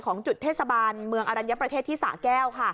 ของจุดเทศบาลเมืองอรัญญประเทศที่สะแก้วค่ะ